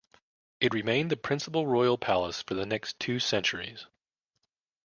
It remained the principal royal palace for the next two centuries.